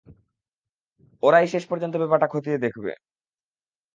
ওরাই শেষ পর্যন্ত ব্যাপারটা খতিয়ে দেখবে।